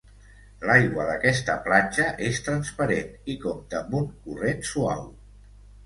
L'aigua d'aquesta platja és transparent i compta amb un corrent suau.